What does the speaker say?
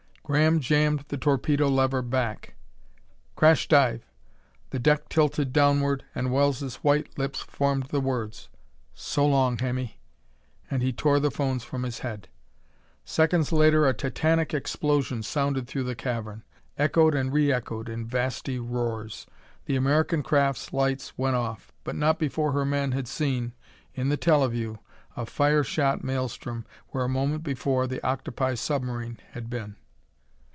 Graham jammed the torpedo lever back. "Crash dive!" The deck tilted downward. And Wells' white lips formed the words, "So long, Hemmy!" and he tore the phones from his head. Seconds later a titanic explosion sounded through the cavern; echoed and re echoed in vasty roars. The American craft's lights went off but not before her men had seen, in the teleview, a fire shot maelstrom where a moment before the octopi submarine had been.